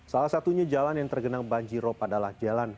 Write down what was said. salah satunya jalan yang tergenang banjir op adalah jalan